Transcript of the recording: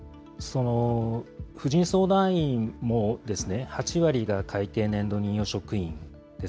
婦人相談員も８割が会計年度任用職員です。